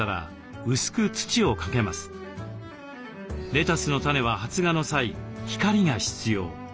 レタスの種は発芽の際光が必要。